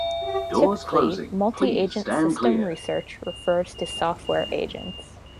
Typically multi-agent systems research refers to software agents.